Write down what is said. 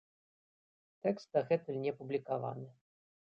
Тэкст дагэтуль не апублікаваны.